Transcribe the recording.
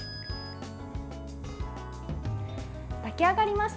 炊き上がりました。